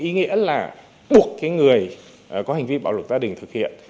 sẽ là buộc người có hành vi bạo lực gia đình thực hiện